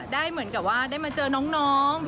ได้เหมือนกับว่าได้มาเจอน้อง